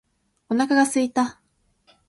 お腹が空いた。